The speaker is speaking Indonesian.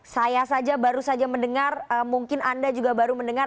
saya saja baru saja mendengar mungkin anda juga baru mendengar